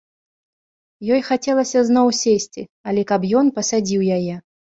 Ёй хацелася зноў сесці, але каб ён пасадзіў яе.